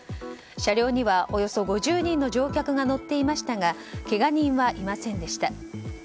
車両にはおよそ５０人の乗客が乗っていましたがけが人はいませんでした。